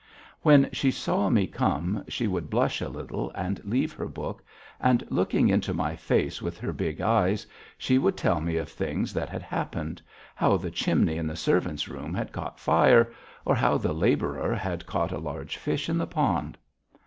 When she saw me come she would blush a little and leave her book, and, looking into my face with her big eyes, she would tell me of things that had happened, how the chimney in the servants' room had caught fire, or how the labourer had caught a large fish in the pond.